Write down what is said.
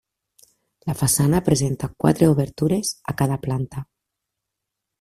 La façana presenta quatre obertures a cada planta.